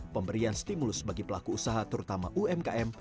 pemberian stimulus bagi pelaku usaha terutama umkm